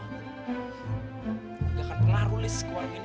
gue gak akan pengaruh liz ke warung ini